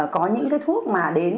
có những cái thuốc mà đến